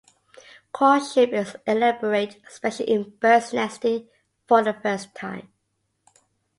Courtship is elaborate, especially in birds nesting for the first time.